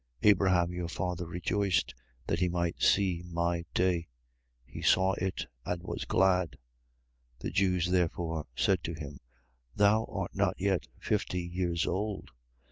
8:56. Abraham your father rejoiced that he might see my day: he saw it and was glad. 8:57. The Jews therefore said to him: Thou art not yet fifty years old.